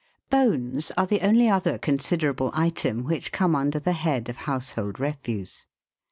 Bones are the only other considerable item which come under the head of " household refuse."